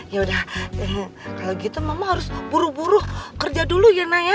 yaudah kalo gitu mama harus buru buru kerja dulu ya na ya